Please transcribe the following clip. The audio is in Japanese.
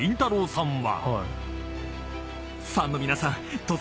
さんは］